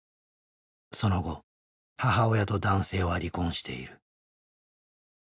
その後母親と男性は離婚している。